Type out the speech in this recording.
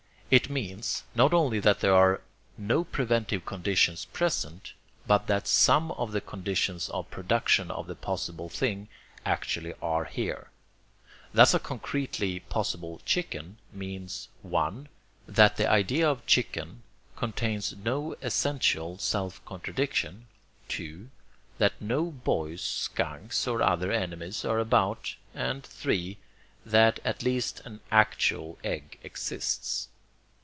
It means, not only that there are no preventive conditions present, but that some of the conditions of production of the possible thing actually are here. Thus a concretely possible chicken means: (1) that the idea of chicken contains no essential self contradiction; (2) that no boys, skunks, or other enemies are about; and (3) that at least an actual egg exists.